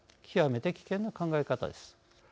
極めて危険な考え方です。